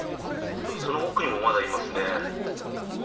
その奥にも、まだいますね。